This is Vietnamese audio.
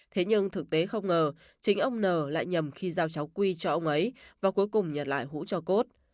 thế nhưng thực tế không ngờ chính ông n lại nhầm khi giao cháu quy cho ông ấy và cuối cùng nhận lại hũ cho cốt